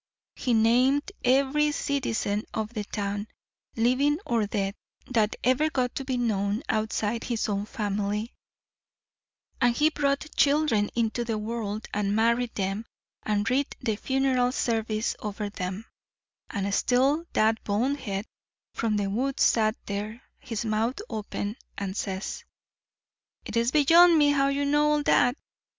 He named every citizen of the town, living or dead, that ever got to be known outside his own family, and he brought children into the world and married them and read the funeral service over them, and still that bonehead from the woods sat there, his mouth open, and says: 'It's beyond me how you know all that.